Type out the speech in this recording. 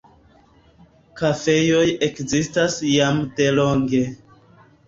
Kafejoj ekzistas jam delonge.